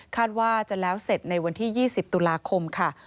ว่าจะแล้วเสร็จในวันที่๒๐ตุลาคมค่ะ